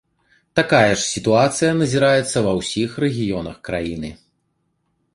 Такая ж сітуацыя назіраецца ва ўсіх рэгіёнах краіны.